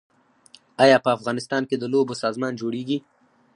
آیا په افغانستان کې د لوبو سامان جوړیږي؟